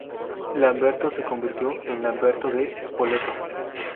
Lamberto se convirtió en Lamberto de Spoleto.